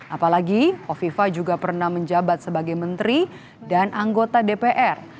apalagi kofifa juga pernah menjabat sebagai menteri dan anggota dpr